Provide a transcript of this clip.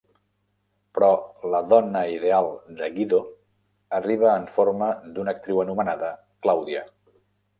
Però la Dona Ideal de Guido arriba en forma d'una actriu anomenada Claudia.